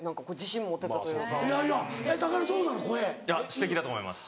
すてきだと思います